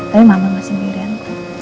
tapi mama masih miring